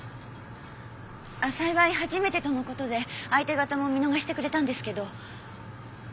幸い初めてとのことで相手方も見逃してくれたんですけど。